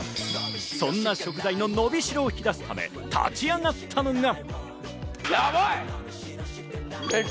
そんな食材ののびしろを引き出すため立ち上がったのが。